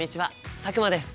佐久間です。